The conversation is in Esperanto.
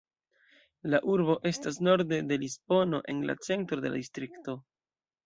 La urbo estas norde de Lisbono, en la centro de la distrikto.